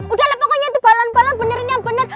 udah lah pokoknya itu balon balon bener ini yang bener